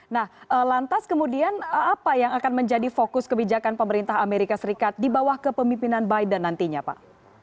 nah lantas kemudian apa yang akan menjadi fokus kebijakan pemerintah amerika serikat di bawah kepemimpinan biden nantinya pak